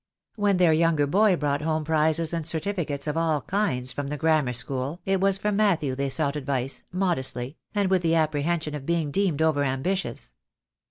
When their younger boy brought home prizes and certificates of all kinds from the grammar school it was from Matthew they sought advice, modestly, and with the apprehension of being deemed over ambitious.